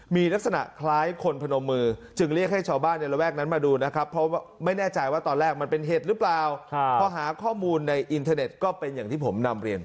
มีลักษณะคล้ายคนพนมือจึงเรียกให้ชาวบ้านในระแวกนั้นมาดูนะครับ